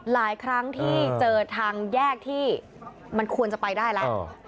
หลายครั้งที่เจอทางแยกที่มันควรจะไปได้แล้ว